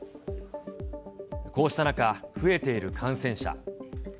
こうした中、増えている感染者。